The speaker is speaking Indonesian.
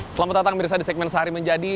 selamat datang mirsa di segmen sehari menjadi